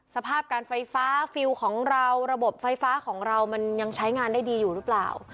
สภาพการไฟฟ้าฟิลล์ของเราระบบไฟฟ้าของเรามันยังใช้งานได้ดีอยู่หรือเปล่า